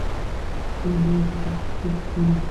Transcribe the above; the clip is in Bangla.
আমি এখানে সিগারেটের খারাপ প্রভাব ফেলতে চাই না।